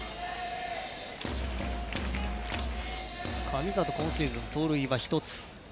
神里、今シーズン盗塁は１つ。